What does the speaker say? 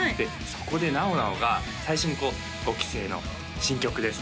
そこでなおなおが最初に「５期生の新曲です」